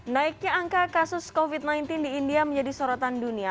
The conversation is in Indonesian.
naiknya angka kasus covid sembilan belas di india menjadi sorotan dunia